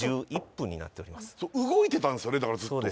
動いてたんですよねずっと。